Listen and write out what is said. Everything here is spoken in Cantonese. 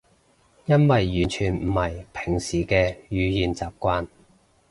因為完全唔係平時嘅語言習慣